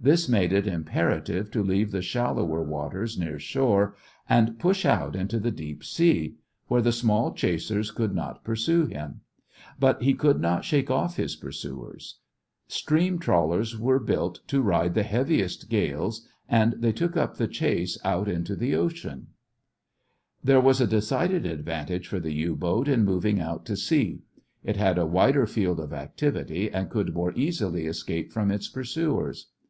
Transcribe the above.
This made it imperative to leave the shallower waters near shore and push out into the deep sea, where the small chasers could not pursue him. But he could not shake off his pursuers. Stream trawlers are built to ride the heaviest gales and they took up the chase out into the ocean. [Illustration: Courtesy of "Scientific American" Airplane Stunning a U boat with a Depth bomb] There was a decided advantage for the U boat in moving out to sea. It had a wider field of activity and could more easily escape from its pursuers.